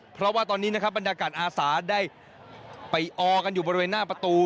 เพราะว่าตอนนี้นะครับบรรดากาศอาสาได้ไปออกันอยู่บริเวณหน้าประตู